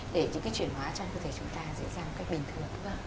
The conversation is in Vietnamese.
để những cái chuyển hóa trong cơ thể chúng ta diễn ra một cách bình thường